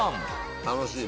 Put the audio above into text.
楽しいね。